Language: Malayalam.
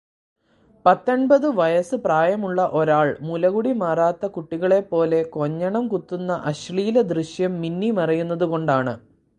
പത്തെൺപത് വയസ്സ് പ്രായമുള്ള ഒരാൾ മുല കുടി മാറാത്ത കുട്ടികളെപ്പോലെ കൊഞ്ഞണം കുത്തുന്ന അശ്ലീലദൃശ്യം മിന്നിമറയുന്നതു കൊണ്ടാണ്.